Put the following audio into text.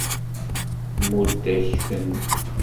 Tmudd-ak-ten.